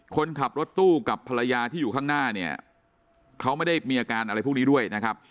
คนขับรถตู้กับภรรยาที่อยู่ข้างหน้าเนี่ยเขาไม่ได้มีอาการอะไรพวกนี้ด้วยนะครับ